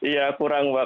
ya kurang mbak